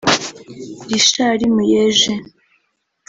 Richard Muyej